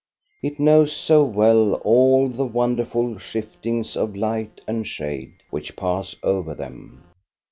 It knows so well all the won derful shiftings of light and shade, which pass over them.